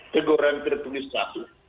teguran tertulis satu